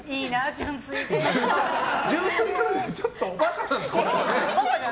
純粋かというかちょっとおバカなんです。